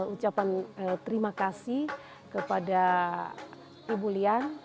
ucapan terima kasih kepada ibu lian